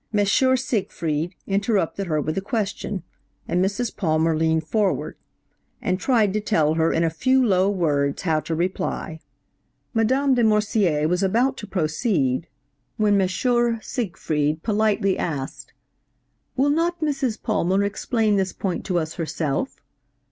Siegfried interrupted her with a question, and Mrs. Palmer leaned forward, and tried to tell her in a few low words how to reply. Madame de Morsier was about to proceed, when M. Siegfried politely asked, 'Will not Mrs. Palmer explain this point to us herself?'